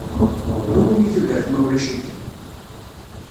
I wumi tudert ma ulac-ikem?